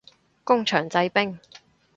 工場製冰